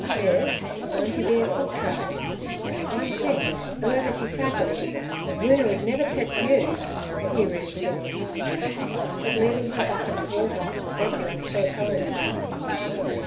'Miss, don't you be a cocktail. One thing, 'ooever she tackles, Woona 'd never tetch you' he reassured. But, leaving her bucket of water, Ursula sped home.